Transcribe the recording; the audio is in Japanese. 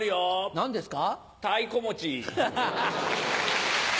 何ですか？